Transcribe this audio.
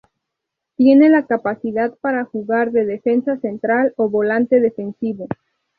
Tiene la capacidad para jugar de defensa central o volante defensivo.